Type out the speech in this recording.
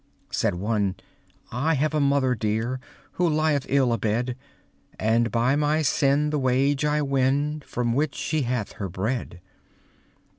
Said one: "I have a mother dear, Who lieth ill abed, And by my sin the wage I win From which she hath her bread."